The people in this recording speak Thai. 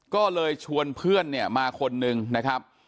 ก็เลยชวนเพื่อนมาคนหนึ่งนะครับ